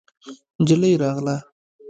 نجلۍ راغله.